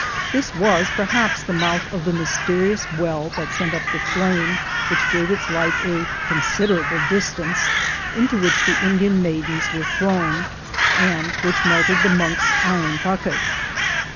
This was perhaps the mouth of the mysterious well that sent up the flame, which gave its light a " consider able distance," into which the Indian maidens were thrown, and which melted the monk's iron bucket.